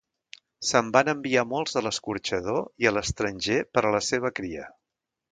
Se'n van enviar molts a l'escorxador i a l'estranger per a la seva cria.